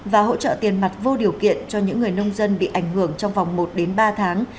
và hỗ trợ tiền mặt vô điều kiện cho những người nông dân bị ảnh hưởng trong vòng một ba tháng